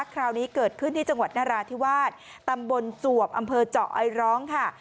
คราวนี้เกิดขึ้นที่จังหวัดนราธิวาสตำบลจวบอำเภอเจาะไอร้องค่ะ